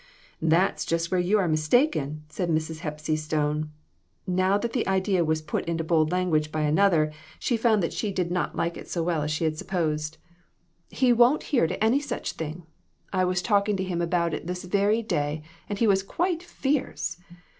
"That's just where you are mistaken," said Mrs. Hepsy Stone. Now that the idea was put into bold language by another, she found that she 1 54 DON T REPEAT IT. did not like it so well as she had supposed. " He won't hear to any such thing. I was talking to him about it this very day, and he was quite fierce.